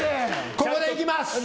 ここでいきます！